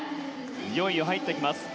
いよいよ入ってきます。